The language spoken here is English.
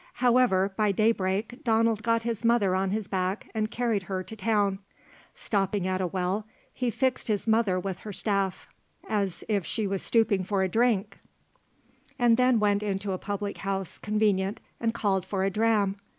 However, by daybreak, Donald got his mother on his back, and carried her to town. Stopping at a well, he fixed his mother with her staff, as if she was stooping for a drink, and then went into a public house convenient and called for a dram.